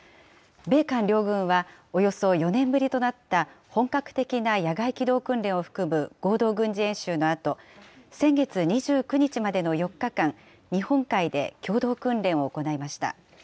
米韓両軍は、およそ４年ぶりとなった本格的な野外機動訓練を含む合同軍事演習のあと、先月２９日までの４日間、日本海で共同訓練を行いました。